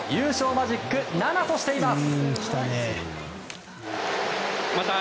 マジック７としています。